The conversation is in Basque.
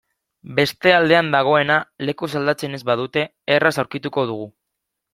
Beste aldean dagoena lekuz aldatzen ez badute erraz aurkituko dugu.